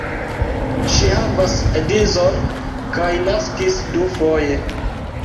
Ŝi havas edzon kaj naskis dufoje.